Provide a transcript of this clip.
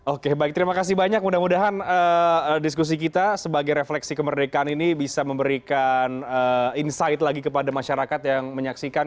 oke baik terima kasih banyak mudah mudahan diskusi kita sebagai refleksi kemerdekaan ini bisa memberikan insight lagi kepada masyarakat yang menyaksikan